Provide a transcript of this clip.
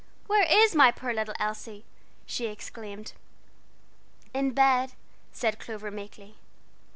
"Where is my poor little Elsie?" she exclaimed. "In bed," said Clover, meekly.